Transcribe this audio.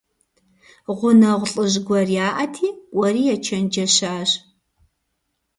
Гъунэгъу лӀыжь гуэр яӀэти, кӀуэри ечэнджэщащ.